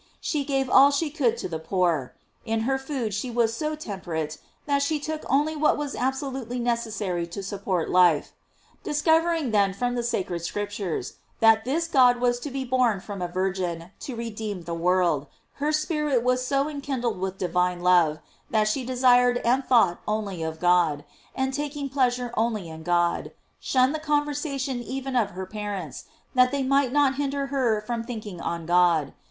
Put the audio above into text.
She gave all she could to the poor. In her food she was so temperate that she only took what was absolutely necessary to support life. Discovering then from the sacred Scriptures, that this God was to be born from a virgin to redeem the world, her spirit was so kindled with divine love that she desired and thought only of God; and taking pleasure only in God, shunned the conversation even of her parents, that they might not hinder her from thinking on God.